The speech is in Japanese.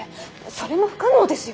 それも不可能ですよ。